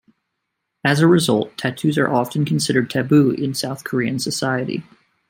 As a result, tattoos are often considered taboo in South Korean society.